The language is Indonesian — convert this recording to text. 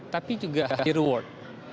tapi juga high reward